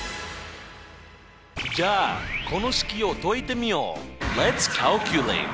じゃあこの式を解いてみよう！